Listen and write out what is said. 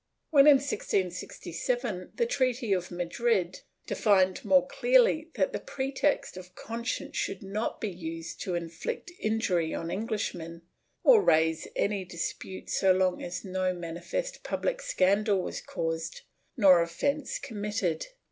Then, in 1667, the treaty of May 23d defined more clearly that the pretext of conscience should not be used to inflict injury on Englishmen or raise any dispute so long as no manifest public scandal was caused nor offence committed.